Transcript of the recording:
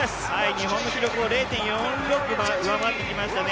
日本の記録を０．４６上回ってきましたね。